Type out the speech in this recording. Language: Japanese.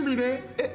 えっ？